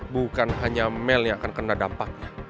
bukan hanya mel yang akan kena dampaknya